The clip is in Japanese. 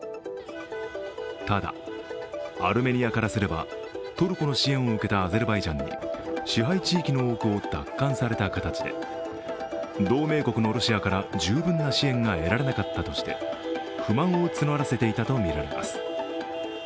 ただ、アルメニアからすればトルコの支援を受けたアゼルバイジャンに支配地域の多くを奪還された形で、同盟国のロシアから十分な支援が得られなかったとして不満を募らせていたとみられます。